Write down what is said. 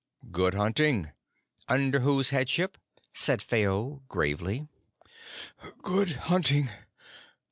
"Good hunting! Under whose Headship?" said Phao gravely. "Good hunting!